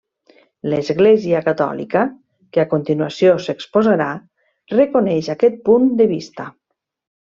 L'Església catòlica, que a continuació s'exposarà, reconeix aquest punt de vista.